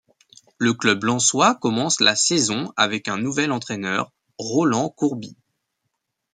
Le club lensois commence la saison avec un nouvel entraîneur, Rolland Courbis.